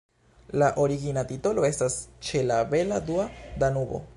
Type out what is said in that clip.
La origina titolo estas Ĉe la bela blua Danubo.